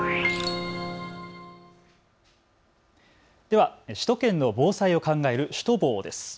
では首都圏の防災を考えるシュトボーです。